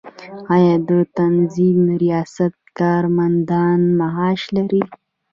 آیا د تنظیف ریاست کارمندان معاش لري؟